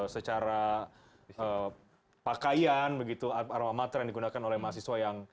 secara pakaian begitu alma mater yang digunakan oleh mahasiswa